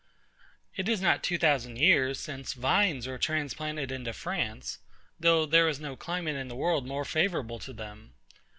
It is not two thousand years since vines were transplanted into FRANCE, though there is no climate in the world more favourable to them.